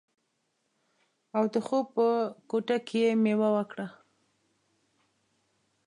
او د خوب په کوټه کې یې میوه وکړه